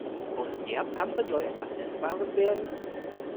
Aus der Pampe soll etwas Essbares werden?